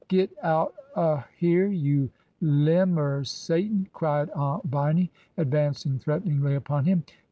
"Git out er hyeah, you limb er Satan !" cried Aunt Viny, advancing threateningly upon him.